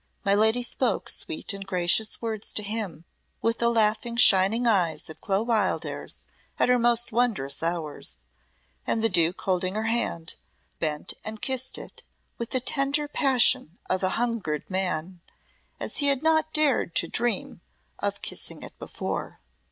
My lady spoke sweet and gracious words to him with the laughing, shining eyes of Clo Wildairs at her most wondrous hours, and the Duke holding her hand, bent and kissed it with the tender passion of a hungered man, as he had not dared to dream of kissing it before.